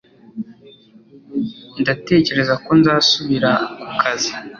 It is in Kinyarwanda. Ndatekereza ko nzasubira ku kazi